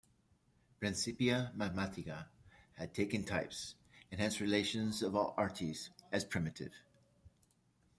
"Principia Mathematica" had taken types, and hence relations of all arities, as primitive.